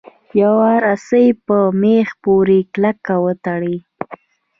یوه رسۍ په میخ پورې کلکه وتړئ.